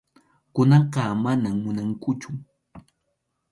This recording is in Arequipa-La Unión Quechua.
Kunanqa manam munankuchu.